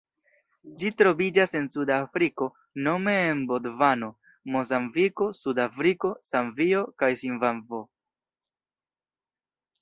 Ĝi troviĝas en Suda Afriko nome en Bocvano, Mozambiko, Sudafriko, Zambio kaj Zimbabvo.